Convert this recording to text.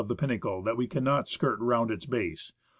ELIAS the pinnacle that we cannot skirt round its base.